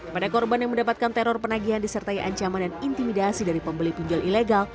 pada korban yang mendapatkan teror penagihan disertai ancaman dan intimidasi dari pembeli pinjol ilegal